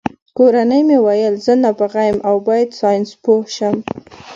کورنۍ مې ویل زه نابغه یم او باید ساینسپوه شم